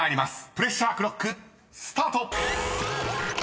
プレッシャークロックスタート！］